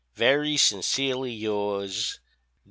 Very sincerely yours, D.